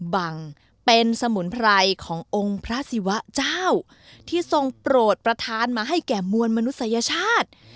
บังเป็นสมุนไพรขององค์พระศิวะเจ้าที่ทรงโปรดประธานมาให้แก่มวลมนุษยชาติ